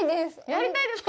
やりたいですか。